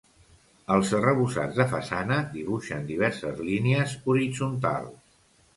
Els arrebossats de façana dibuixen diverses línies horitzontals.